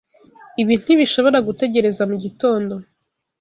Ibi ntibishobora gutegereza mugitondo.